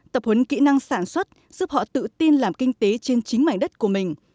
tập huấn kỹ năng sản xuất giúp họ tự tin làm kinh tế trên chính mảnh đất của mình